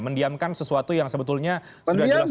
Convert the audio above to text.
mendiamkan sesuatu yang sebetulnya sudah jelas